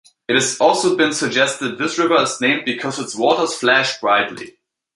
It has also been suggested this river is named because its waters flash brightly.